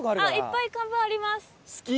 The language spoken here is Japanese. いっぱい看板あります。